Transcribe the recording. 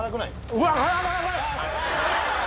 うわ！